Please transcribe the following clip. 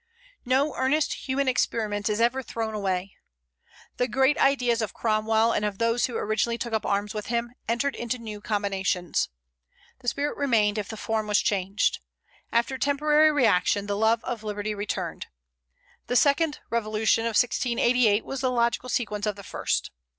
No earnest human experiment is ever thrown away. The great ideas of Cromwell, and of those who originally took up arms with him, entered into new combinations. The spirit remained, if the form was changed. After a temporary reaction, the love of liberty returned. The second revolution of 1688 was the logical sequence of the first.